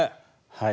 はい。